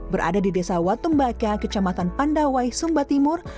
berada di desa watumbaka kecamatan pandawai sumba timur